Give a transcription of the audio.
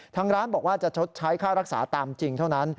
ทางร้านบอกว่าจะชดใช้ค่ารักษาตามจริงเท่านั้น